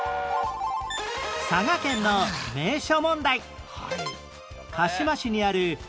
佐賀県の名所問題